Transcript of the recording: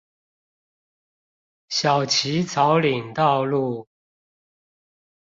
小旗草嶺道路